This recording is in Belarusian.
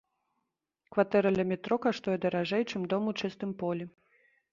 Кватэра ля метро каштуе даражэй, чым дом у чыстым полі.